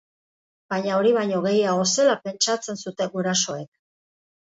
Baina hori baino gehiago zela pentsatzen zuten gurasoek.